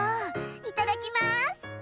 いただきます。